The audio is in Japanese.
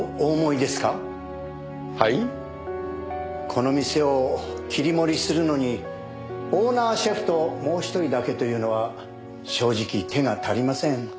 この店を切り盛りするのにオーナーシェフともう１人だけというのは正直手が足りません。